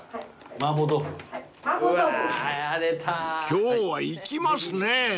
［今日はいきますね］